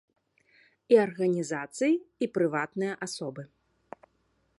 І арганізацыі, і прыватныя асобы.